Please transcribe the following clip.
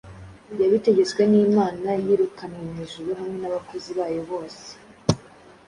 yabitegetswe n'Imana yirukanwe mu Ijuru hamwe n'abakozi bayo bose